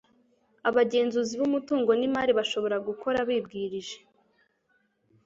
abagenzuzi b'umutungo n'imari bashobora gukora bibwirije